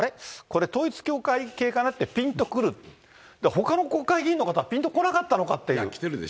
これ、統一教会系かなってピンと来る、ほかの国会議員の方、ピンとこなかったのかっていう。